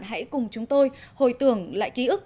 hãy cùng chúng tôi hồi tưởng lại ký ức